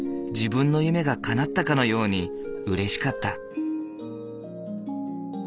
自分の夢がかなったかのようにうれしかった。